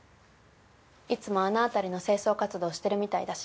いつもあの辺りの清掃活動してるみたいだし。